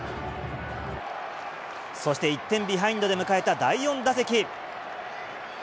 そして１点ビハインドで迎えた第４打席。